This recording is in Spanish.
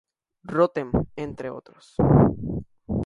Rotem, entre otros.